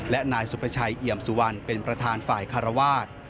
และนายสุภาชัยเอี่ยมสุวรรณเป็นประธานฝ่ายคารวาส